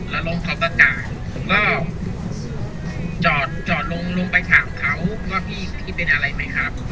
แล้วน้องเขาก็จ่ายผมก็จอดลงลงไปถามเขาว่าพี่เป็นอะไรไหมครับ